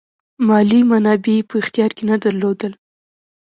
مالي منابع یې په اختیار کې نه درلودل.